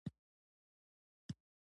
ستا په سود زما په زیان دی خو روان دی.